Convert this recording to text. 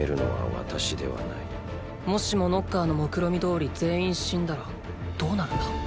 もしもノッカーの目論見どおり全員死んだらどうなるんだ？